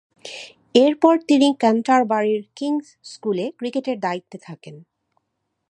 এরপর তিনি ক্যান্টারবারির কিংস স্কুলে ক্রিকেটের দায়িত্বে থাকেন।